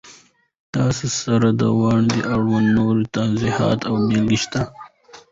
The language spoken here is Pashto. تاسې سره د وار اړوند نور توضیحات او بېلګې شته!